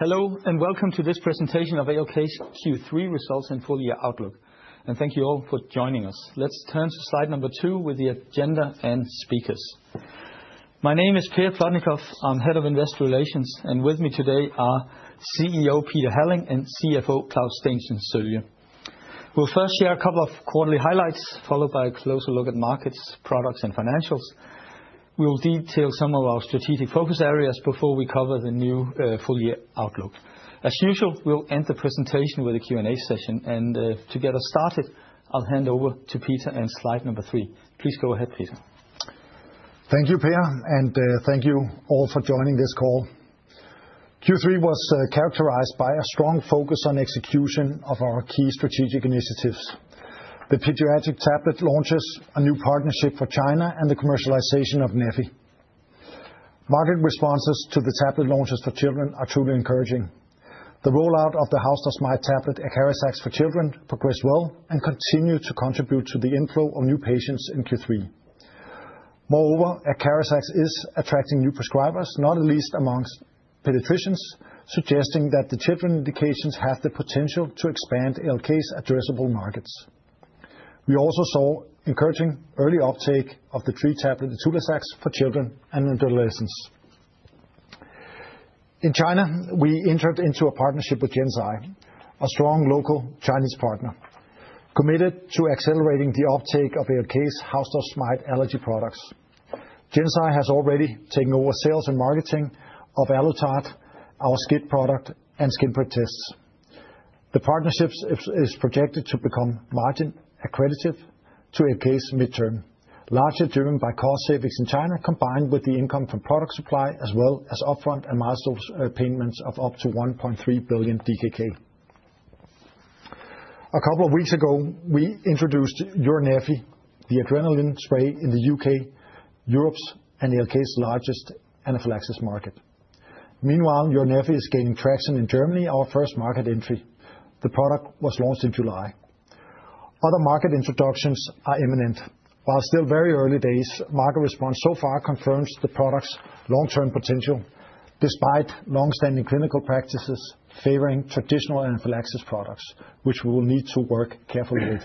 Hello and welcome to this presentation of ALK's Q3 results and full-year outlook. Thank you all for joining us. Let's turn to slide number two with the agenda and speakers. My name is Peter K. Clausen. I'm Head of Investor Relations, and with me today are CEO Peter Halling and CFO Claus Steensen Sølje. We'll first share a couple of quarterly highlights, followed by a closer look at markets, products, and financials. We will detail some of our strategic focus areas before we cover the new full-year outlook. As usual, we'll end the presentation with a Q&A session, and to get us started, I'll hand over to Peter and slide number three. Please go ahead, Peter. Thank you, Peter, and thank you all for joining this call. Q3 was characterized by a strong focus on execution of our key strategic initiatives. The pediatric tablet launches, a new partnership for China, and the commercialization of NEFI. Market responses to the tablet launches for children are truly encouraging. The rollout of the house dust mite tablet Acarizax for children progressed well and continued to contribute to the inflow of new patients in Q3. Moreover, Acarizax is attracting new prescribers, not least amongst pediatricians, suggesting that the children's indications have the potential to expand ALK's addressable markets. We also saw encouraging early uptake of the three tablets, Itulazax for children and adolescents. In China, we entered into a partnership with Hansoh Pharma, a strong local Chinese partner, committed to accelerating the uptake of ALK's house dust mite allergy products. Gensai has already taken over sales and marketing of Alutard, our SCIT product, and skin prick tests. The partnership is projected to become margin accretive to ALK's midterm, largely driven by cost savings in China, combined with the income from product supply, as well as upfront and milestone payments of up to 1.3 billion DKK. A couple of weeks ago, we introduced Uronefi, the adrenaline spray in the U.K., Europe's, and ALK's largest anaphylaxis market. Meanwhile, Uronefi is gaining traction in Germany, our first market entry. The product was launched in July. Other market introductions are imminent. While still very early days, market response so far confirms the product's long-term potential, despite long-standing clinical practices favoring traditional anaphylaxis products, which we will need to work carefully with.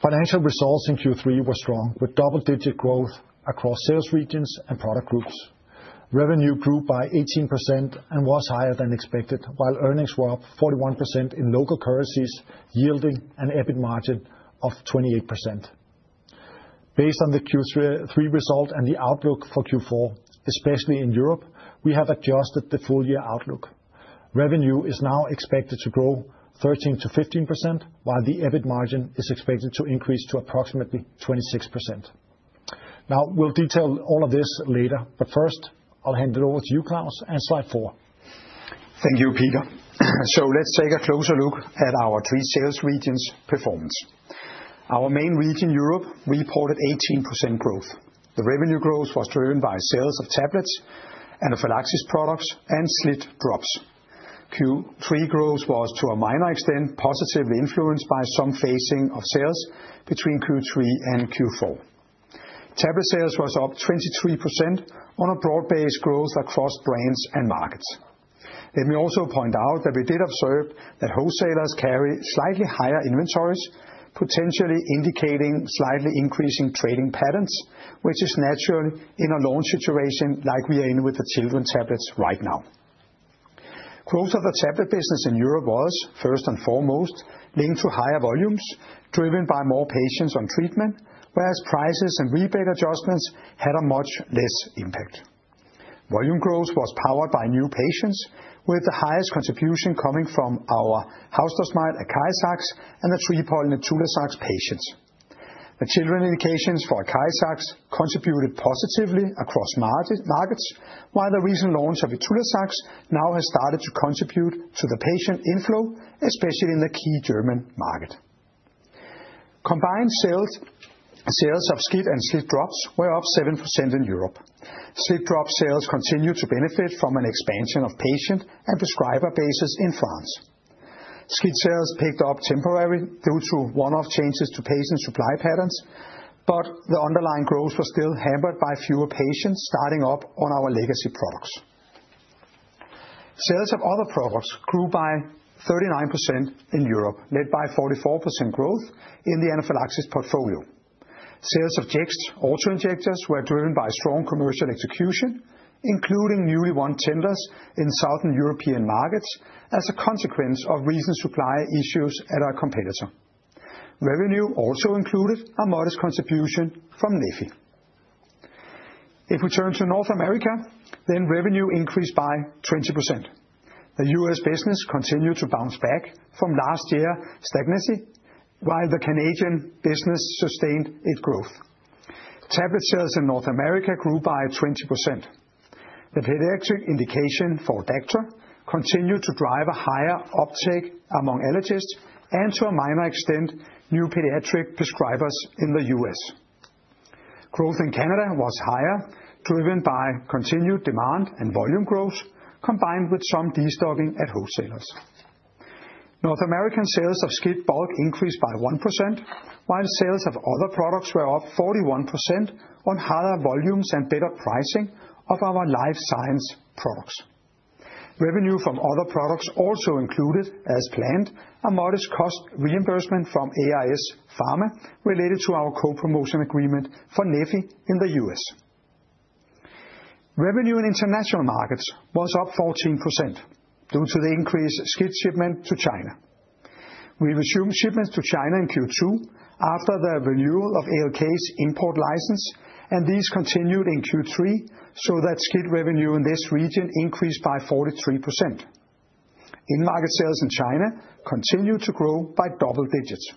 Financial results in Q3 were strong, with double-digit growth across sales regions and product groups. Revenue grew by 18% and was higher than expected, while earnings were up 41% in local currencies, yielding an EBIT margin of 28%. Based on the Q3 result and the outlook for Q4, especially in Europe, we have adjusted the full-year outlook. Revenue is now expected to grow 13%-15%, while the EBIT margin is expected to increase to approximately 26%. Now, we'll detail all of this later, but first, I'll hand it over to you, Claus, and slide four. Thank you, Peter. Let's take a closer look at our three sales regions' performance. Our main region, Europe, reported 18% growth. The revenue growth was driven by sales of tablets, anaphylaxis products, and SLIT drops. Q3 growth was, to a minor extent, positively influenced by some phasing of sales between Q3 and Q4. Tablet sales were up 23% on a broad-based growth across brands and markets. Let me also point out that we did observe that wholesalers carry slightly higher inventories, potentially indicating slightly increasing trading patterns, which is natural in a launch situation like we are in with the children's tablets right now. Growth of the tablet business in Europe was, first and foremost, linked to higher volumes driven by more patients on treatment, whereas prices and rebate adjustments had a much less impact. Volume growth was powered by new patients, with the highest contribution coming from our house dust mite Acarizax and the three pollen Itulazax patients. The children indications for Acarizax contributed positively across markets, while the recent launch of Itulazax now has started to contribute to the patient inflow, especially in the key German market. Combined sales, sales of SCIT and SLIT drops were up 7% in Europe. SLIT drop sales continued to benefit from an expansion of patient and prescriber bases in France. SCIT sales picked up temporarily due to one-off changes to patient supply patterns, but the underlying growth was still hampered by fewer patients starting up on our legacy products. Sales of other products grew by 39% in Europe, led by 44% growth in the anaphylaxis portfolio. Sales of Jext autoinjectors were driven by strong commercial execution, including newly won tenders in Southern European markets as a consequence of recent supply issues at our competitor. Revenue also included a modest contribution from NEFI. If we turn to North America, then revenue increased by 20%. The US business continued to bounce back from last year's stagnancy, while the Canadian business sustained its growth. Tablet sales in North America grew by 20%. The pediatric indication for Odactra continued to drive a higher uptake among allergists and, to a minor extent, new pediatric prescribers in the US. Growth in Canada was higher, driven by continued demand and volume growth, combined with some destocking at wholesalers. North American sales of SCIT bulk increased by 1%, while sales of other products were up 41% on higher volumes and better pricing of our life science products. Revenue from other products also included, as planned, a modest cost reimbursement from AIS Pharma related to our co-promotion agreement for NEFI in the US. Revenue in international markets was up 14% due to the increased SCIT shipment to China. We resumed shipments to China in Q2 after the renewal of ALK's import license, and these continued in Q3, so that SCIT revenue in this region increased by 43%. In-market sales in China continued to grow by double digits.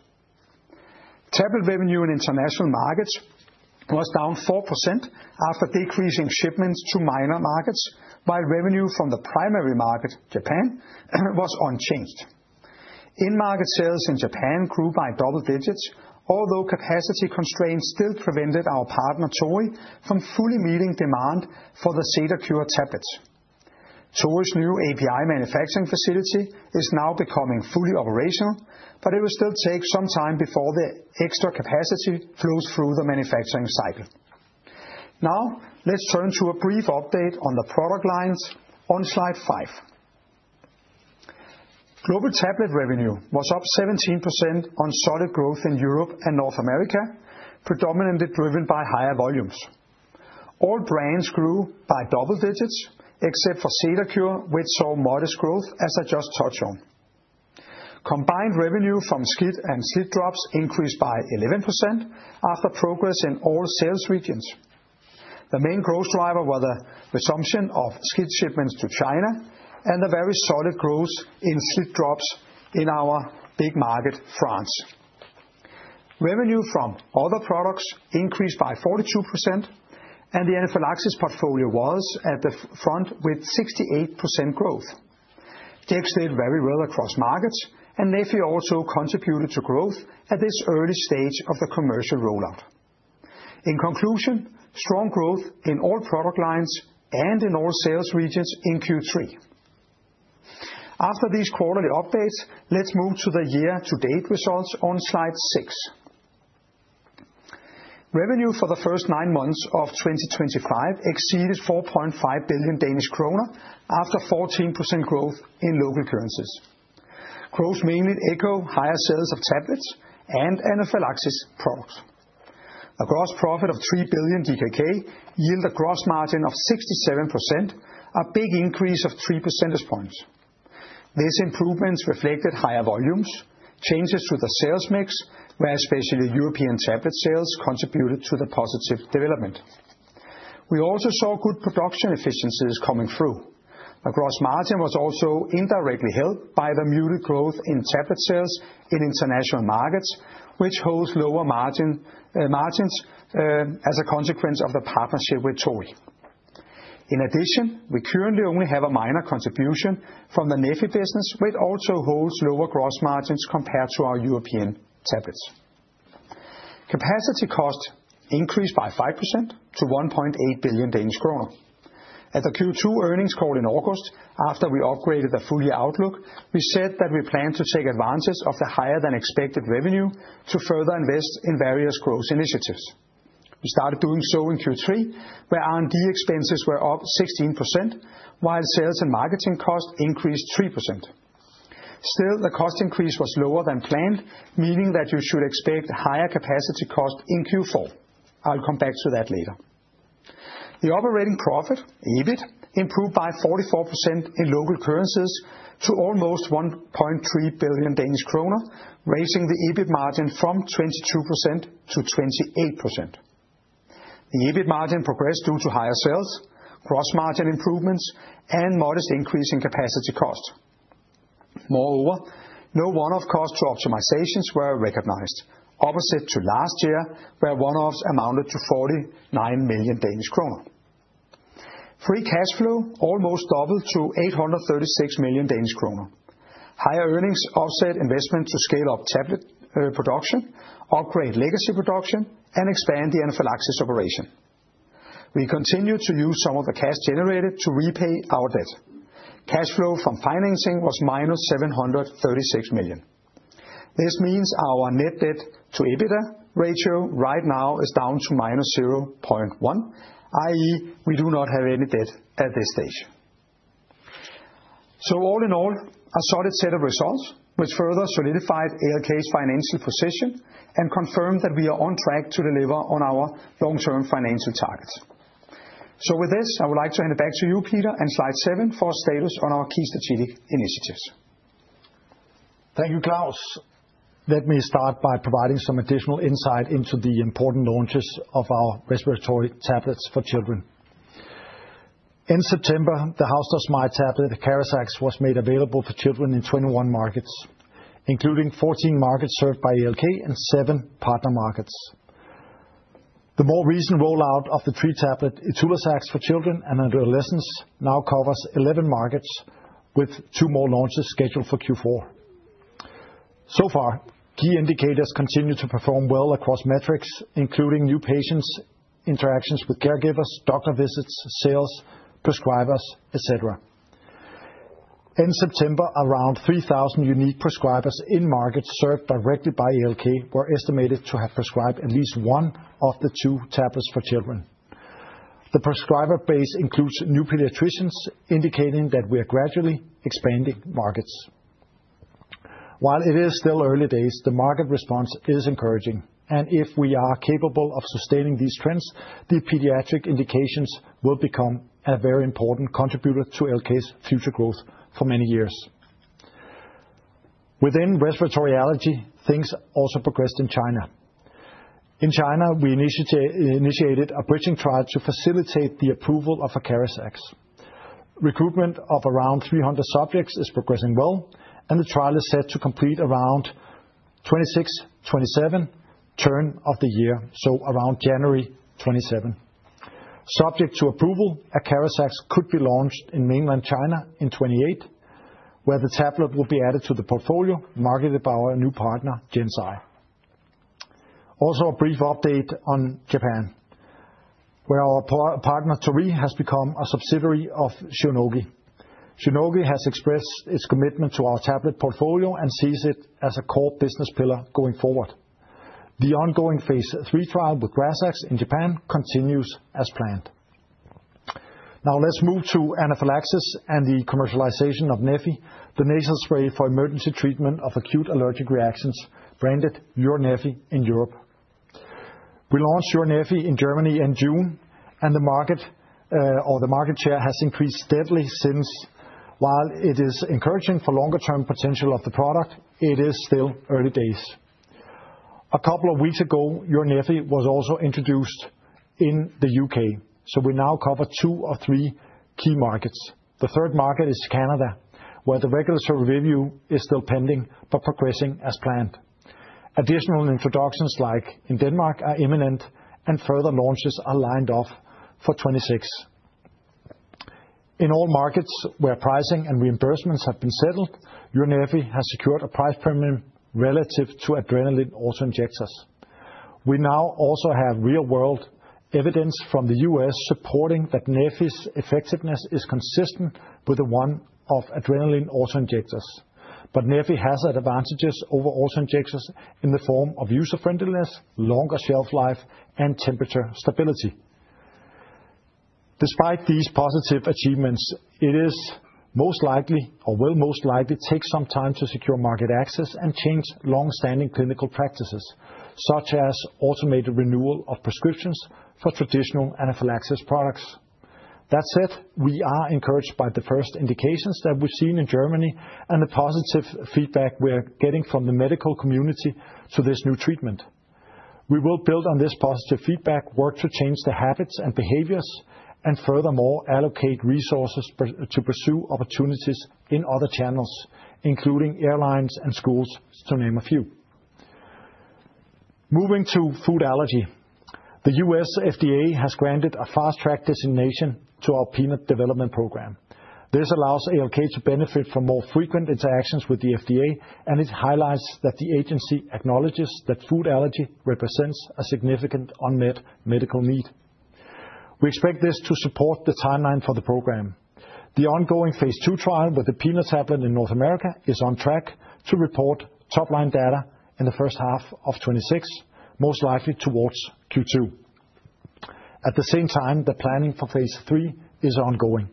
Tablet revenue in international markets was down 4% after decreasing shipments to minor markets, while revenue from the primary market, Japan, was unchanged. In-market sales in Japan grew by double digits, although capacity constraints still prevented our partner, Torii, from fully meeting demand for the SLIT tablets. Torii's new API manufacturing facility is now becoming fully operational, but it will still take some time before the extra capacity flows through the manufacturing cycle. Now, let's turn to a brief update on the product lines on slide five. Global tablet revenue was up 17% on solid growth in Europe and North America, predominantly driven by higher volumes. All brands grew by double digits, except for SADA Cure, which saw modest growth, as I just touched on. Combined revenue from SCIT and SLIT drops increased by 11% after progress in all sales regions. The main growth driver was the resumption of SCIT shipments to China and the very solid growth in SLIT drops in our big market, France. Revenue from other products increased by 42%, and the anaphylaxis portfolio was at the front with 68% growth. Jext did very well across markets, and NEFI also contributed to growth at this early stage of the commercial rollout. In conclusion, strong growth in all product lines and in all sales regions in Q3. After these quarterly updates, let's move to the year-to-date results on slide six. Revenue for the first nine months of 2025 exceeded 4.5 billion Danish kroner after 14% growth in local currencies. Growth mainly echoed higher sales of tablets and anaphylaxis products. A gross profit of 3 billion DKK yielded a gross margin of 67%, a big increase of 3 percentage points. These improvements reflected higher volumes, changes to the sales mix, where especially European tablet sales contributed to the positive development. We also saw good production efficiencies coming through. The gross margin was also indirectly helped by the muted growth in tablet sales in international markets, which holds lower margins as a consequence of the partnership with Torii. In addition, we currently only have a minor contribution from the NEFI business, which also holds lower gross margins compared to our European tablets. Capacity cost increased by 5% to 1.8 billion Danish kroner. At the Q2 earnings call in August, after we upgraded the full-year outlook, we said that we plan to take advantage of the higher-than-expected revenue to further invest in various growth initiatives. We started doing so in Q3, where R&D expenses were up 16%, while sales and marketing costs increased 3%. Still, the cost increase was lower than planned, meaning that you should expect higher capacity cost in Q4. I'll come back to that later. The operating profit, EBIT, improved by 44% in local currencies to almost 1.3 billion Danish kroner, raising the EBIT margin from 22% to 28%. The EBIT margin progressed due to higher sales, gross margin improvements, and modest increase in capacity cost. Moreover, no one-off cost to optimizations were recognized, opposite to last year, where one-offs amounted to 49 million Danish kroner. Free cash flow almost doubled to 836 million Danish kroner. Higher earnings offset investment to scale up tablet production, upgrade legacy production, and expand the anaphylaxis operation. We continued to use some of the cash generated to repay our debt. Cash flow from financing was minus 736 million. This means our net debt to EBITDA ratio right now is down to minus 0.1, i.e., we do not have any debt at this stage. All in all, a solid set of results which further solidified ALK's financial position and confirmed that we are on track to deliver on our long-term financial targets. With this, I would like to hand it back to you, Peter, and slide seven for our status on our key strategic initiatives. Thank you, Claus. Let me start by providing some additional insight into the important launches of our respiratory tablets for children. In September, the house dust mite tablet Acarizax was made available for children in 21 markets, including 14 markets served by ALK and seven partner markets. The more recent rollout of the three tablets, Itulazax for children and adolescents, now covers 11 markets, with two more launches scheduled for Q4. So far, key indicators continue to perform well across metrics, including new patients, interactions with caregivers, doctor visits, sales, prescribers, etc. In September, around 3,000 unique prescribers in markets served directly by ALK were estimated to have prescribed at least one of the two tablets for children. The prescriber base includes new pediatricians, indicating that we are gradually expanding markets. While it is still early days, the market response is encouraging, and if we are capable of sustaining these trends, the pediatric indications will become a very important contributor to ALK's future growth for many years. Within respiratory allergy, things also progressed in China. In China, we initiated a bridging trial to facilitate the approval of Acarizax. Recruitment of around 300 subjects is progressing well, and the trial is set to complete around 2026-2027 turn of the year, so around January 2027. Subject to approval, Acarizax could be launched in mainland China in 2028, where the tablet will be added to the portfolio marketed by our new partner, Hansoh Pharma. Also, a brief update on Japan, where our partner, Torii, has become a subsidiary of Shionogi. Shionogi has expressed its commitment to our tablet portfolio and sees it as a core business pillar going forward. The ongoing phase three trial with Acarizax in Japan continues as planned. Now, let's move to anaphylaxis and the commercialization of NEFI, the nasal spray for emergency treatment of acute allergic reactions, branded Uronefi in Europe. We launched Uronefi in Germany in June, and the market or the market share has increased steadily since. While it is encouraging for longer-term potential of the product, it is still early days. A couple of weeks ago, Uronefi was also introduced in the U.K., so we now cover two or three key markets. The third market is Canada, where the regulatory review is still pending but progressing as planned. Additional introductions, like in Denmark, are imminent, and further launches are lined up for 2026. In all markets where pricing and reimbursements have been settled, Uronefi has secured a price premium relative to adrenaline auto-injectors. We now also have real-world evidence from the U.S. supporting that NEFI's effectiveness is consistent with the one of adrenaline auto-injectors, but NEFI has had advantages over auto-injectors in the form of user-friendliness, longer shelf life, and temperature stability. Despite these positive achievements, it is most likely, or will most likely, take some time to secure market access and change long-standing clinical practices, such as automated renewal of prescriptions for traditional anaphylaxis products. That said, we are encouraged by the first indications that we've seen in Germany and the positive feedback we're getting from the medical community to this new treatment. We will build on this positive feedback, work to change the habits and behaviors, and furthermore allocate resources to pursue opportunities in other channels, including airlines and schools, to name a few. Moving to food allergy, the U.S. FDA has granted a fast-track designation to our peanut development program. This allows ALK to benefit from more frequent interactions with the FDA, and it highlights that the agency acknowledges that food allergy represents a significant unmet medical need. We expect this to support the timeline for the program. The ongoing phase two trial with the peanut tablet in North America is on track to report top-line data in the first half of 2026, most likely towards Q2. At the same time, the planning for phase three is ongoing.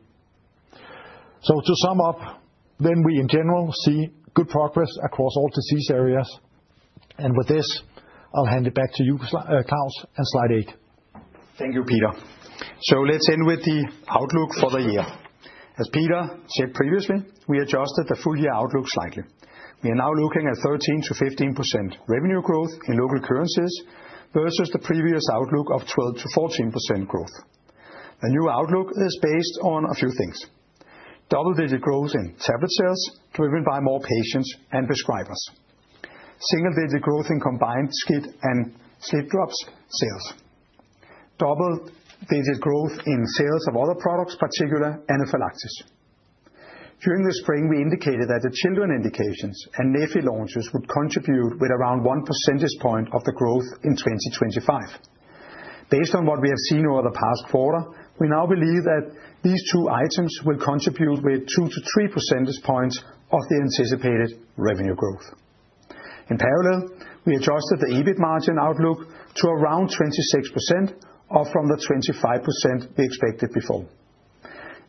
To sum up, then we in general see good progress across all disease areas, and with this, I'll hand it back to you, Claus, and slide eight. Thank you, Peter. Let's end with the outlook for the year. As Peter said previously, we adjusted the full-year outlook slightly. We are now looking at 13%-15% revenue growth in local currencies versus the previous outlook of 12%-14% growth. The new outlook is based on a few things: double-digit growth in tablet sales driven by more patients and prescribers, single-digit growth in combined SCIT and SLIT drops sales, double-digit growth in sales of other products, particularly anaphylaxis. During the spring, we indicated that the children indications and NEFI launches would contribute with around one percentage point of the growth in 2025. Based on what we have seen over the past quarter, we now believe that these two items will contribute with 2 to 3 percentage points of the anticipated revenue growth. In parallel, we adjusted the EBIT margin outlook to around 26%, up from the 25% we expected before.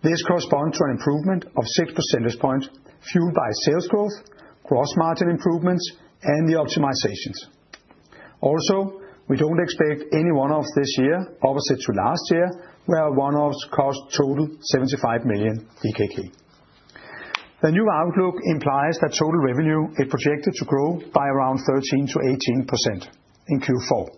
This corresponds to an improvement of 6 percentage points fueled by sales growth, gross margin improvements, and the optimizations. Also, we don't expect any one-offs this year, opposite to last year, where one-offs cost total 75 million DKK. The new outlook implies that total revenue is projected to grow by around 13-18% in Q4.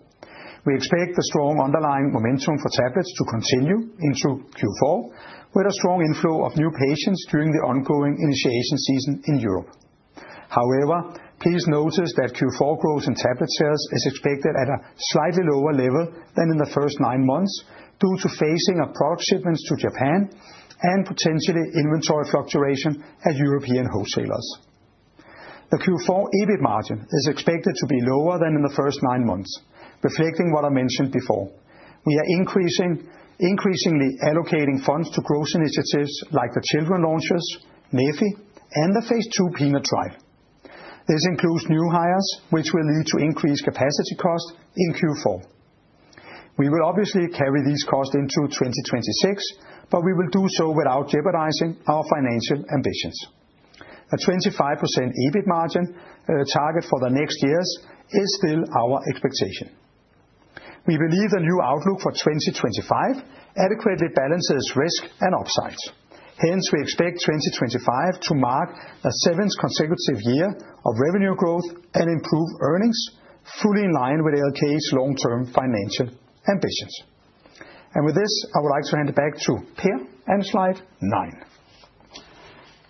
We expect the strong underlying momentum for tablets to continue into Q4, with a strong inflow of new patients during the ongoing initiation season in Europe. However, please notice that Q4 growth in tablet sales is expected at a slightly lower level than in the first nine months due to phasing of product shipments to Japan and potentially inventory fluctuation at European wholesalers. The Q4 EBIT margin is expected to be lower than in the first nine months, reflecting what I mentioned before. We are increasingly allocating funds to growth initiatives like the children launches, NEFI, and the phase two peanut trial. This includes new hires, which will lead to increased capacity cost in Q4. We will obviously carry these costs into 2026, but we will do so without jeopardizing our financial ambitions. A 25% EBIT margin target for the next years is still our expectation. We believe the new outlook for 2025 adequately balances risk and upsides. Hence, we expect 2025 to mark the seventh consecutive year of revenue growth and improved earnings, fully in line with ALK's long-term financial ambitions. With this, I would like to hand it back to Peter and slide nine.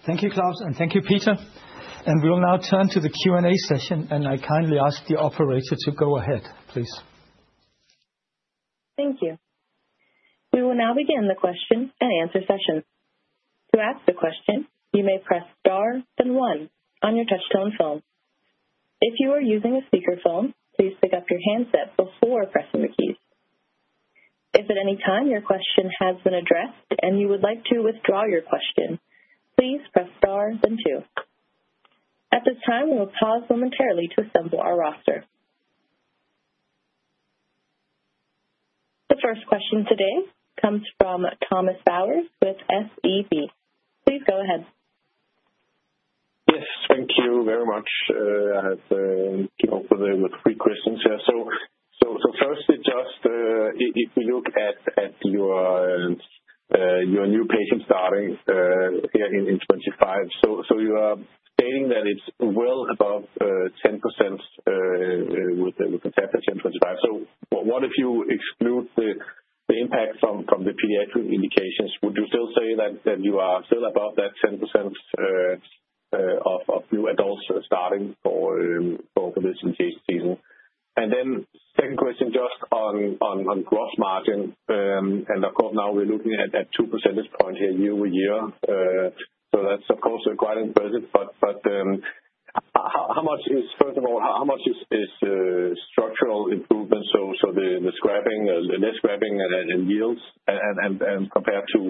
Thank you, Claus, and thank you, Peter. We will now turn to the Q&A session, and I kindly ask the operator to go ahead, please. Thank you. We will now begin the question and answer session. To ask a question, you may press star then one on your touch-tone phone. If you are using a speakerphone, please pick up your handset before pressing the keys. If at any time your question has been addressed and you would like to withdraw your question, please press star then two. At this time, we will pause momentarily to assemble our roster. The first question today comes from Thomas Bøwadt with SEB. Please go ahead. Yes, thank you very much. I have come up with three questions here. First, just if we look at your new patients starting here in 2025, you are stating that it is well above 10% with the tablets in 2025. What if you exclude the impact from the pediatric indications? Would you still say that you are still above that 10% of new adults starting for this indication season? Second question, just on gross margin, and of course, now we are looking at two percentage points here year over year. That is, of course, quite impressive. How much is, first of all, how much is structural improvement? The scrapping and yields compared to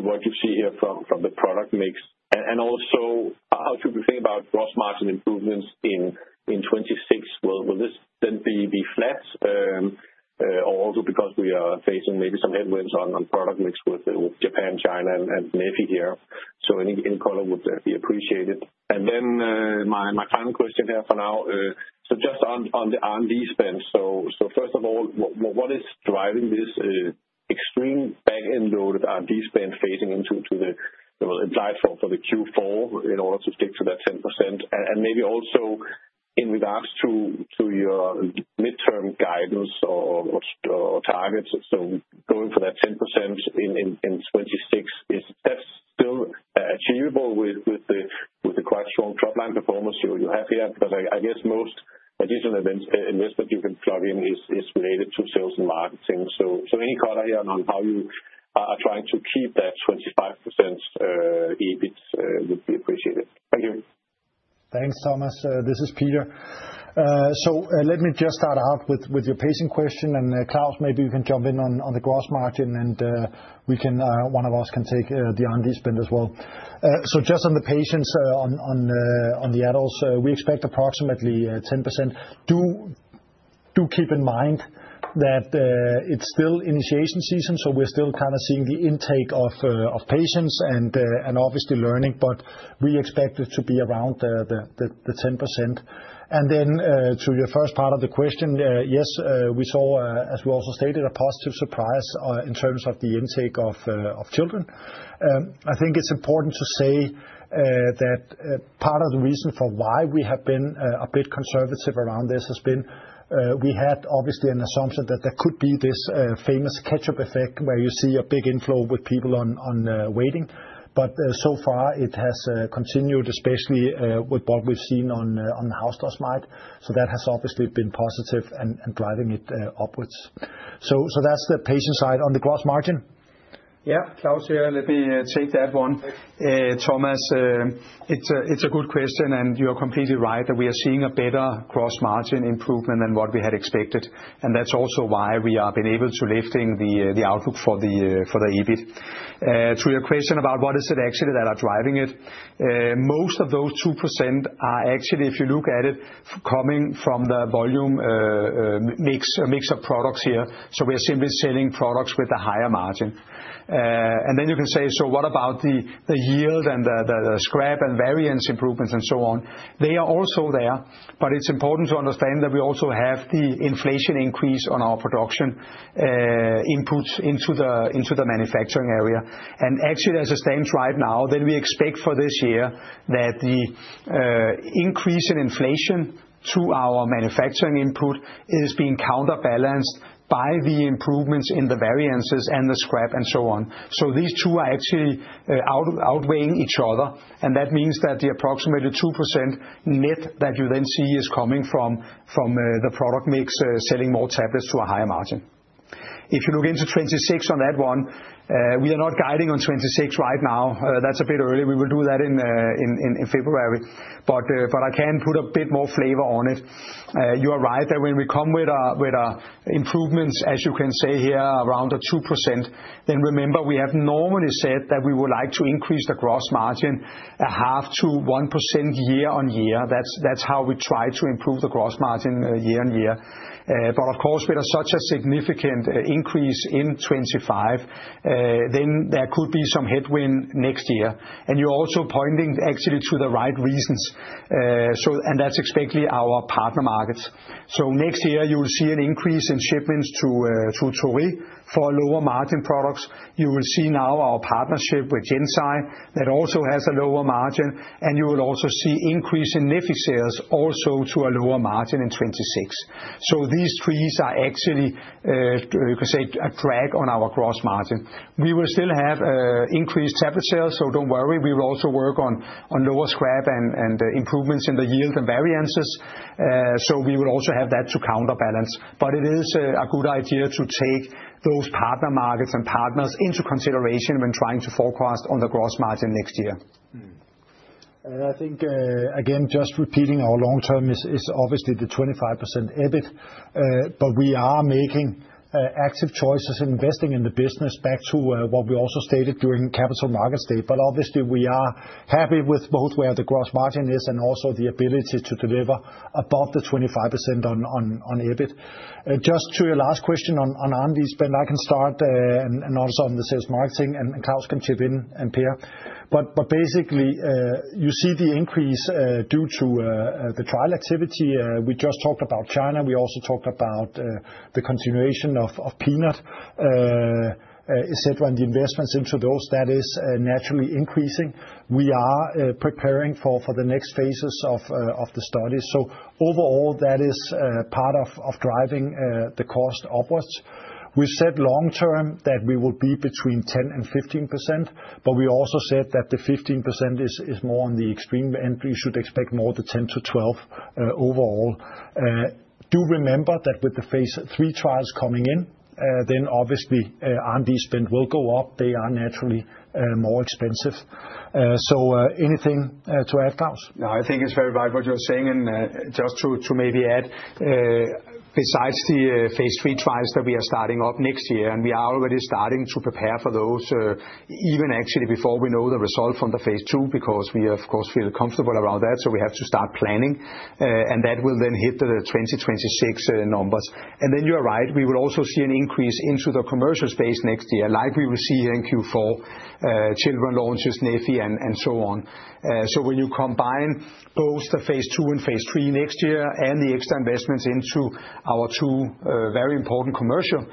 what you see here from the product mix? Also, how should we think about gross margin improvements in 2026? Will this then be flat? Or also because we are facing maybe some headwinds on product mix with Japan, China, and NEFI here, so any color would be appreciated. My final question here for now, just on the R&D spend. First of all, what is driving this extreme back-end load of R&D spend facing into the implied for the Q4 in order to stick to that 10%? Maybe also in regards to your midterm guidance or targets, going for that 10% in 2026, is that still achievable with the quite strong top-line performance you have here? I guess most additional investment you can plug in is related to sales and marketing. Any color here on how you are trying to keep that 25% EBIT would be appreciated. Thank you. Thanks, Thomas. This is Peter. Let me just start out with your pacing question, and Claus, maybe you can jump in on the gross margin, and one of us can take the R&D spend as well. Just on the patients, on the adults, we expect approximately 10%. Do keep in mind that it's still initiation season, so we're still kind of seeing the intake of patients and obviously learning, but we expect it to be around the 10%. To your first part of the question, yes, we saw, as we also stated, a positive surprise in terms of the intake of children. I think it's important to say that part of the reason for why we have been a bit conservative around this has been we had obviously an assumption that there could be this famous ketchup effect where you see a big inflow with people on waiting, but so far it has continued, especially with what we've seen on the house dust mite. That has obviously been positive and driving it upwards. That's the patient side. On the gross margin? Yeah, Claus here, let me take that one. Thomas, it's a good question, and you are completely right that we are seeing a better gross margin improvement than what we had expected, and that's also why we have been able to lift the outlook for the EBIT. To your question about what is it actually that are driving it, most of those 2% are actually, if you look at it, coming from the volume mix of products here. We are simply selling products with a higher margin. You can say, what about the yield and the scrap and variance improvements and so on? They are also there, but it's important to understand that we also have the inflation increase on our production input into the manufacturing area. Actually, as it stands right now, we expect for this year that the increase in inflation to our manufacturing input is being counterbalanced by the improvements in the variances and the scrap and so on. These two are actually outweighing each other, and that means that the approximated 2% net that you then see is coming from the product mix selling more tablets to a higher margin. If you look into 2026 on that one, we are not guiding on 2026 right now. That's a bit early. We will do that in February, but I can put a bit more flavor on it. You are right that when we come with our improvements, as you can say here, around the 2%, then remember we have normally said that we would like to increase the gross margin a half to 1% year on year. That's how we try to improve the gross margin year on year. Of course, with such a significant increase in 2025, there could be some headwind next year. You're also pointing actually to the right reasons, and that's exactly our partner markets. Next year, you will see an increase in shipments to Torii for lower margin products. You will see now our partnership with Gensai that also has a lower margin, and you will also see increase in NEFI sales also to a lower margin in 2026. These three are actually, you can say, a drag on our gross margin. We will still have increased tablet sales, so don't worry. We will also work on lower scrap and improvements in the yield and variances. We will also have that to counterbalance. It is a good idea to take those partner markets and partners into consideration when trying to forecast on the gross margin next year. I think, again, just repeating our long term is obviously the 25% EBIT, but we are making active choices investing in the business back to what we also stated during capital markets day. Obviously, we are happy with both where the gross margin is and also the ability to deliver above the 25% on EBIT. Just to your last question on R&D spend, I can start and also on the sales marketing, and Claus can chip in and Peter. Basically, you see the increase due to the trial activity. We just talked about China. We also talked about the continuation of peanut, et cetera, and the investments into those that is naturally increasing. We are preparing for the next phases of the studies. Overall, that is part of driving the cost upwards. We've said long term that we will be between 10% and 15%, but we also said that the 15% is more on the extreme end. You should expect more the 10%-12% overall. Do remember that with the phase three trials coming in, then obviously R&D spend will go up. They are naturally more expensive. So anything to add, Claus? No, I think it's very right what you're saying. Just to maybe add, besides the phase three trials that we are starting up next year, we are already starting to prepare for those even actually before we know the result from the phase two because we, of course, feel comfortable around that. We have to start planning, and that will then hit the 2026 numbers. You are right. We will also see an increase into the commercial space next year, like we will see here in Q4, children launches, NEFI, and so on. When you combine both the phase two and phase three next year and the extra investments into our two very important commercial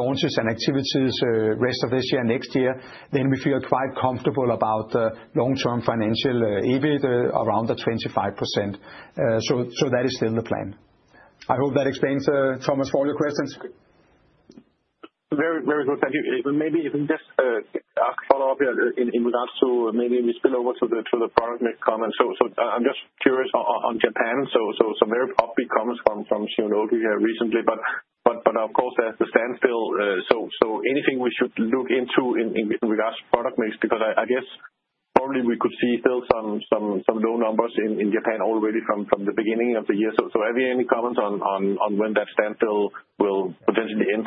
launches and activities rest of this year and next year, we feel quite comfortable about the long-term financial EBIT around the 25%. That is still the plan. I hope that explains, Thomas, all your questions. Very good. Thank you. Maybe even just a follow-up here in regards to maybe we spill over to the product mix comments. I'm just curious on Japan. Some very poppy comments from Shionogi here recently, but of course, there's the standstill. Anything we should look into in regards to product mix? I guess probably we could see still some low numbers in Japan already from the beginning of the year. Have you any comments on when that standstill will potentially end?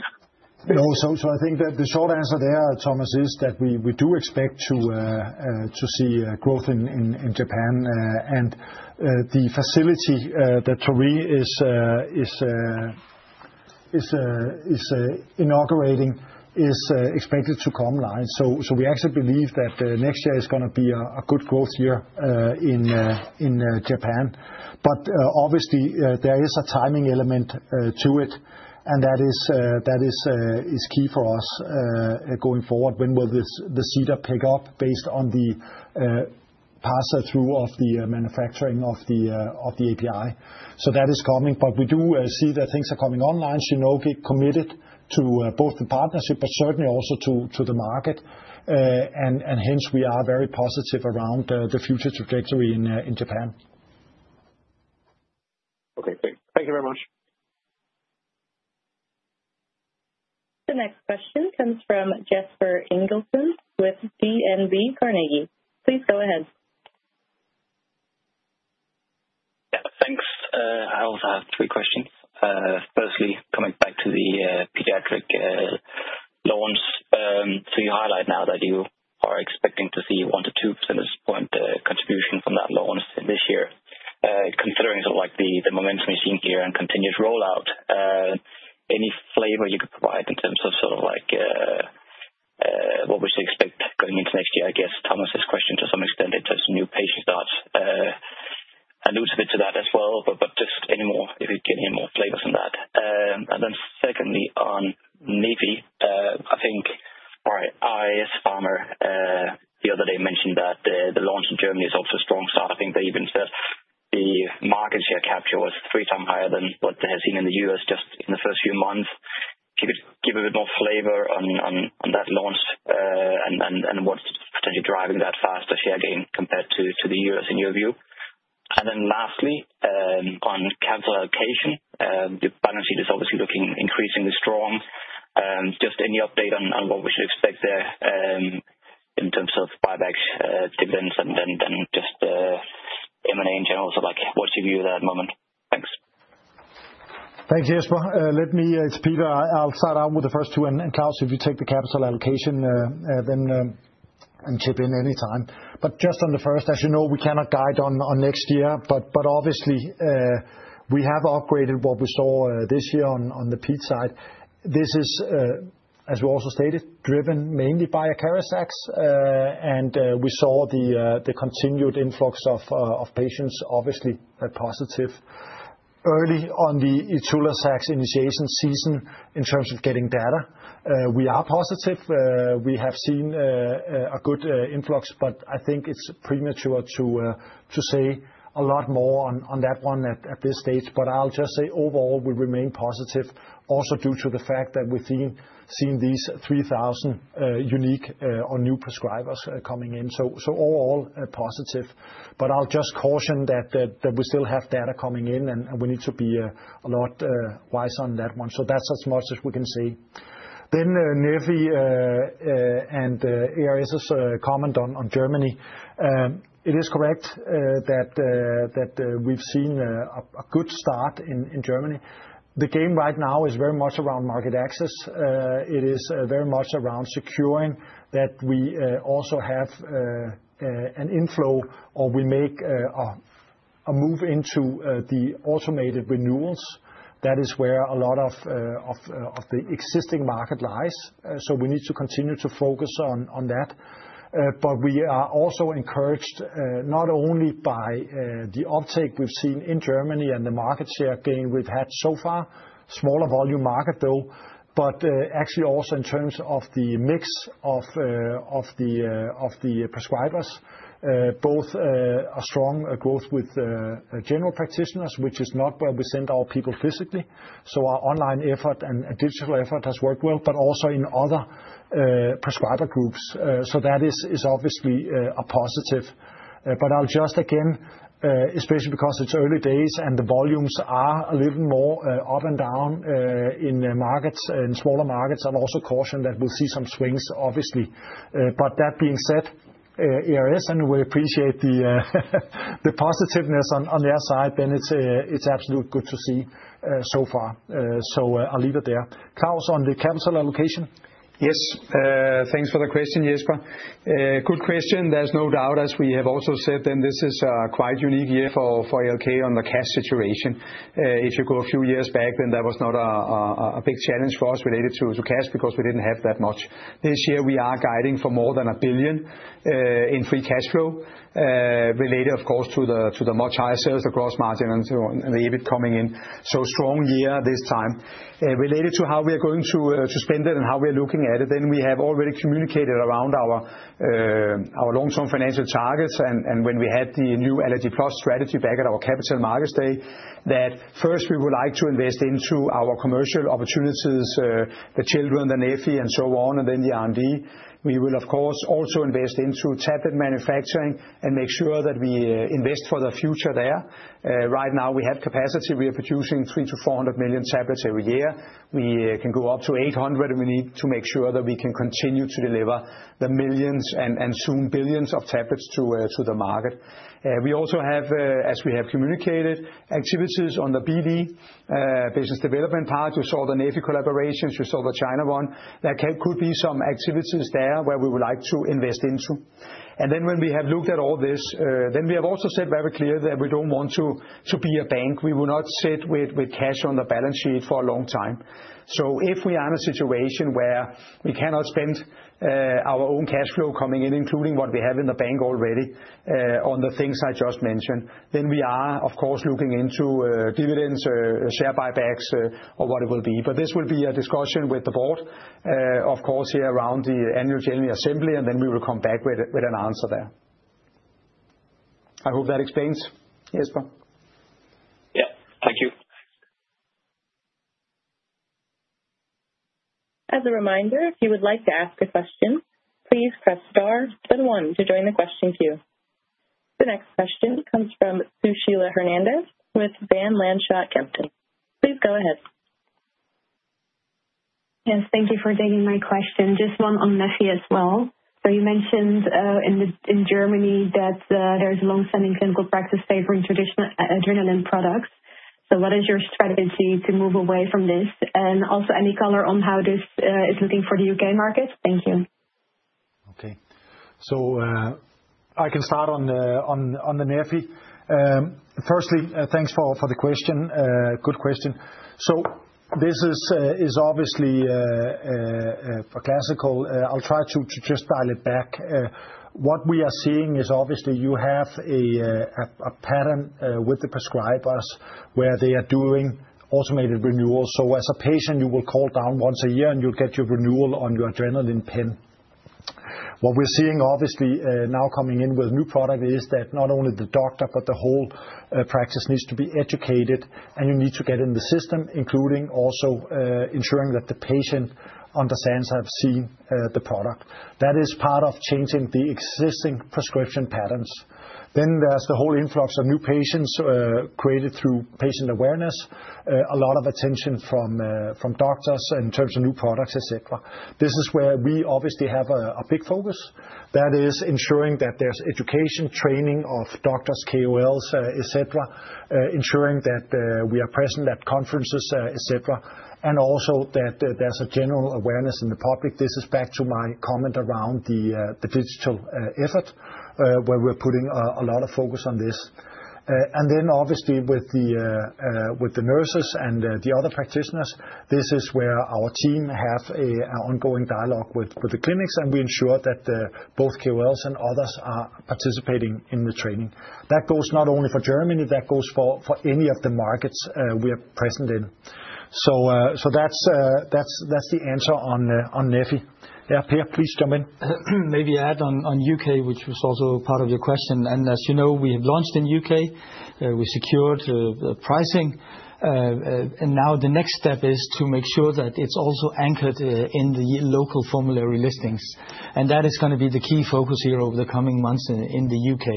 No, so I think that the short answer there, Thomas, is that we do expect to see growth in Japan, and the facility that Torii is inaugurating is expected to come live. We actually believe that next year is going to be a good growth year in Japan. Obviously, there is a timing element to it, and that is key for us going forward. When will the seeder pick up based on the pass-through of the manufacturing of the API? That is coming. We do see that things are coming online. Shionogi committed to both the partnership, but certainly also to the market. Hence, we are very positive around the future trajectory in Japan. Okay, thanks. Thank you very much. The next question comes from Jesper Engelsson with DNB Carnegie. Please go ahead. Yeah, thanks. I also have three questions. Firstly, coming back to the pediatric launches, so you highlight now that you are expecting to see one to two percentage point contribution from that launch this year. Considering sort of the momentum you've seen here and continued rollout, any flavor you could provide in terms of sort of what we should expect going into next year? I guess Thomas's question to some extent in terms of new patient starts alludes a bit to that as well, but just any more if you get any more flavors on that. Secondly, on NEFI, I think AIS Pharma the other day mentioned that the launch in Germany is also a strong start. I think they even said the market share capture was three times higher than what they have seen in the US just in the first few months. If you could give a bit more flavor on that launch and what's potentially driving that faster share gain compared to the U.S. in your view. Lastly, on capital allocation, the balance sheet is obviously looking increasingly strong. Just any update on what we should expect there in terms of buyback, dividends, and then just M&A in general, so what's your view at that moment? Thanks. Thanks, Jesper. Let me, it's Peter. I'll start out with the first two. Claus, if you take the capital allocation, then chip in any time. Just on the first, as you know, we cannot guide on next year, but obviously, we have upgraded what we saw this year on the EBIT side. This is, as we also stated, driven mainly by Acarizax, and we saw the continued influx of patients, obviously positive. Early on the Itulazax initiation season in terms of getting data, we are positive. We have seen a good influx, but I think it's premature to say a lot more on that one at this stage. I'll just say overall, we remain positive, also due to the fact that we've seen these 3,000 unique or new prescribers coming in. Overall, positive. I'll just caution that we still have data coming in, and we need to be a lot wiser on that one. That's as much as we can say. NEFI and ARS's comment on Germany. It is correct that we've seen a good start in Germany. The game right now is very much around market access. It is very much around securing that we also have an inflow or we make a move into the automated renewals. That is where a lot of the existing market lies. We need to continue to focus on that. But we are also encouraged not only by the uptake we have seen in Germany and the market share gain we have had so far, smaller volume market though, but actually also in terms of the mix of the prescribers, both a strong growth with general practitioners, which is not where we send our people physically. So our online effort and digital effort has worked well, but also in other prescriber groups. That is obviously a positive. I will just again, especially because it is early days and the volumes are a little more up and down in markets, in smaller markets, I will also caution that we will see some swings, obviously. That being said, ARS, and we appreciate the positiveness on their side, then it is absolute good to see so far. I will leave it there. Claus, on the capital allocation? Yes, thanks for the question, Jesper. Good question. There's no doubt, as we have also said, then this is a quite unique year for ALK on the cash situation. If you go a few years back, then that was not a big challenge for us related to cash because we didn't have that much. This year, we are guiding for more than 1 billion in free cash flow related, of course, to the much higher sales, the gross margin, and the EBIT coming in. Strong year this time. Related to how we are going to spend it and how we are looking at it, we have already communicated around our long-term financial targets. When we had the new ALG-PLUS strategy back at our capital markets day, that first we would like to invest into our commercial opportunities, the children, the NEFI, and so on, and then the R&D. We will, of course, also invest into tablet manufacturing and make sure that we invest for the future there. Right now, we have capacity. We are producing 300-400 million tablets every year. We can go up to 800, and we need to make sure that we can continue to deliver the millions and soon billions of tablets to the market. We also have, as we have communicated, activities on the BD, business development part. You saw the NEFI collaborations. You saw the China one. There could be some activities there where we would like to invest into. When we have looked at all this, we have also said very clearly that we do not want to be a bank. We will not sit with cash on the balance sheet for a long time. If we are in a situation where we cannot spend our own cash flow coming in, including what we have in the bank already on the things I just mentioned, we are, of course, looking into dividends, share buybacks, or what it will be. This will be a discussion with the board, of course, here around the annual general assembly, and we will come back with an answer there. I hope that explains, Jesper. Yeah, thank you. As a reminder, if you would like to ask a question, please press star then one to join the question queue. The next question comes from Susheela Halarnkar with Van Lanschot Kempen. Please go ahead. Yes, thank you for taking my question. Just one on NEFI as well. You mentioned in Germany that there is a long-standing clinical practice favoring traditional adrenaline products. What is your strategy to move away from this? Also, any color on how this is looking for the U.K. market? Thank you. Okay. I can start on the NEFI. Firstly, thanks for the question. Good question. This is obviously a classical. I'll try to just dial it back. What we are seeing is obviously you have a pattern with the prescribers where they are doing automated renewals. As a patient, you will call down once a year, and you'll get your renewal on your adrenaline pen. What we're seeing now coming in with new product is that not only the doctor, but the whole practice needs to be educated, and you need to get in the system, including also ensuring that the patient understands, I've seen the product. That is part of changing the existing prescription patterns. There is the whole influx of new patients created through patient awareness, a lot of attention from doctors in terms of new products, et cetera. This is where we obviously have a big focus. That is ensuring that there's education, training of doctors, KOLs, et cetera, ensuring that we are present at conferences, et cetera, and also that there's a general awareness in the public. This is back to my comment around the digital effort where we're putting a lot of focus on this. Then obviously with the nurses and the other practitioners, this is where our team have an ongoing dialogue with the clinics, and we ensure that both KOLs and others are participating in the training. That goes not only for Germany, that goes for any of the markets we are present in. That's the answer on NEFI. Yeah, Peter, please jump in. Maybe add on U.K., which was also part of your question. As you know, we have launched in the U.K., we secured pricing, and now the next step is to make sure that it is also anchored in the local formulary listings. That is going to be the key focus here over the coming months in the U.K.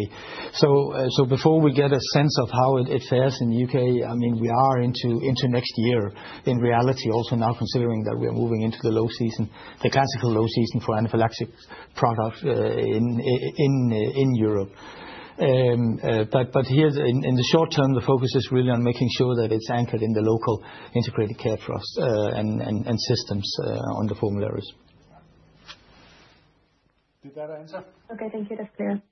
Before we get a sense of how it fares in the U.K., I mean, we are into next year in reality, also now considering that we are moving into the low season, the classical low season for an anaphylactic product in Europe. Here in the short term, the focus is really on making sure that it is anchored in the local integrated care trusts and systems on the formularies. Did that answer? Okay, thank you. That's clear.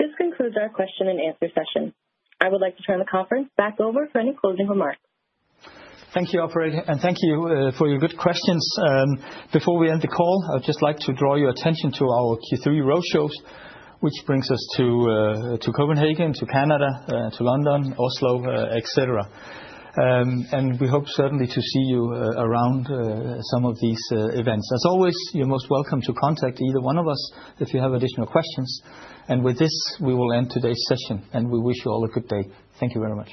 This concludes our question and answer session. I would like to turn the conference back over for any closing remarks. Thank you, Aubry, and thank you for your good questions. Before we end the call, I'd just like to draw your attention to our Q3 roadshows, which brings us to Copenhagen, to Canada, to London, Oslo, et cetera. We hope certainly to see you around some of these events. As always, you're most welcome to contact either one of us if you have additional questions. With this, we will end today's session, and we wish you all a good day. Thank you very much.